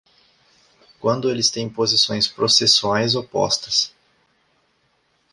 Quando eles têm posições processuais opostas.